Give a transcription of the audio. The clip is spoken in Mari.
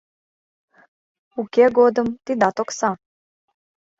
— Уке годым тидат окса.